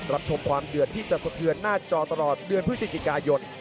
ชมความเดือดที่จะสะเทือนหน้าจอตลอดเดือนพฤศจิกายน